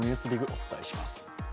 お伝えします。